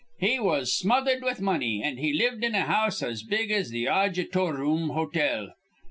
He was smothered with money, an' he lived in a house as big as th' Audjitoroom Hotel.